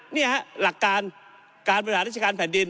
นี่ฮะหลักการการบริหารราชการแผ่นดิน